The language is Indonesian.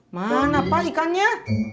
mana pak ikannya